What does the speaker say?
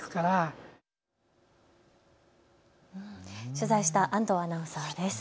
取材した安藤アナウンサーです。